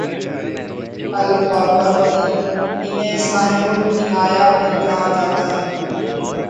البابرتی انہیں صاحب العنایہ بھی کہا جاتا ہے